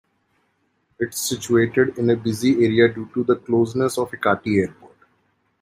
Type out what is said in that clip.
It's situated in a busy area due to the closeness of Ekati Airport.